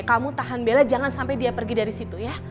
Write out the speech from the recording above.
kamu tahan bela jangan sampai dia pergi dari situ ya